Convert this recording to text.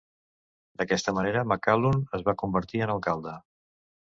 D'aquesta manera, McCallum es va convertir en alcalde.